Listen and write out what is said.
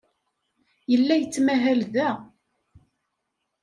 Yella yettmahal da.